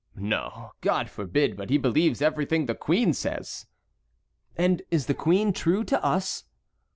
"No, God forbid, but he believes everything the queen says." "And is the queen true to us?"